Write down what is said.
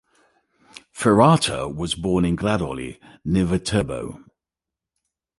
Ferrata was born in Gradoli, near Viterbo.